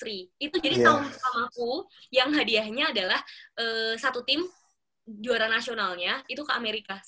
itu jadi tahun pertama aku yang hadiahnya adalah satu tim juara nasionalnya itu ke amerika